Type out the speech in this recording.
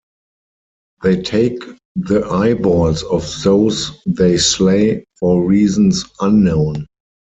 They take the eyeballs of those they slay for reasons unknown.